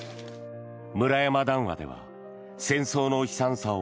村山談話では戦争の悲惨さを